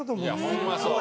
ホンマそう。